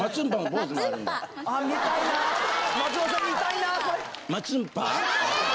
・松本さん見たいなそれ。